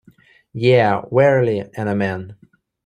Yea, verily, and Amen!